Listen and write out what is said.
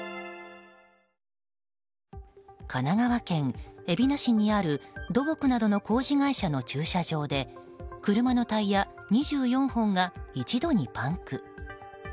神奈川県海老名市にある土木などの工事会社の駐車場で車のタイヤ２４本が一度にパンク。